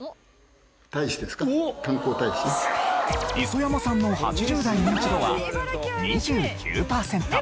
磯山さんの８０代ニンチドは２９パーセント。